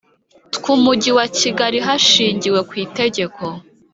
tw Umujyi wa Kigali hashingiwe ku itegeko